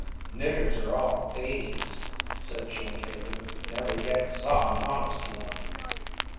"Niggers are all thieves," said Jim Caven, "never yet saw an honest one."